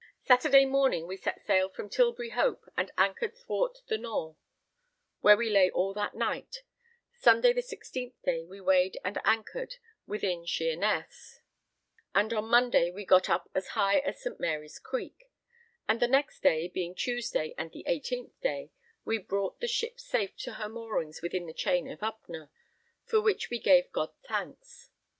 Saturday morning, we set sail from Tilbury Hope and anchored thwart the Nore, where we lay all that night; Sunday, the 16th day, we weighed and anchored within Sheerness; and on Monday we got up as high as St. Mary's Creek; and the next day, being Tuesday and the 18th day, we brought the ship safe to her moorings within the chain at Upnor, for which we gave God thanks.